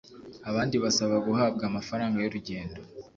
abandi basaba guhabwa amafaranga y’urugendo